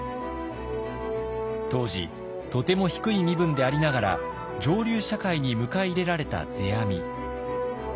当時とても低い身分でありながら上流社会に迎え入れられた世阿弥。